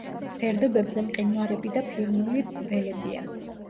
ფერდობებზე მყინვარები და ფირნული ველებია.